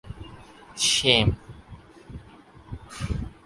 Shame!